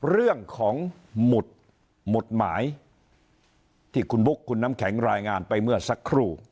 เรื่องของหมุดหมายที่คุณบุ๊คคุณน้ำแข็งรายงานไปเมื่อสักครู่